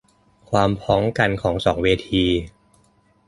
ความพ้องกันของสองเวที